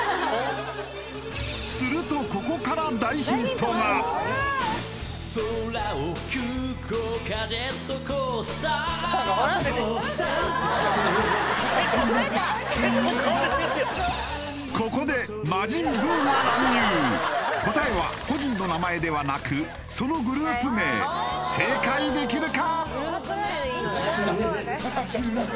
するとここで魔人ブウが乱入答えは個人の名前ではなくそのグループ名正解できるか？